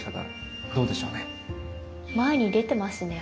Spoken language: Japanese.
前に出てますね足。